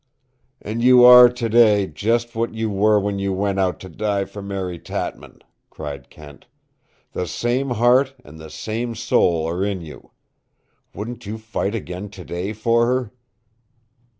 "And you are today just what you were when you went out to die for Mary Tatman," cried Kent. "The same heart and the same soul are in you. Wouldn't you fight again today for her?"